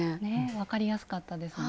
分かりやすかったですね。